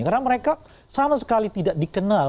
karena mereka sama sekali tidak dikenal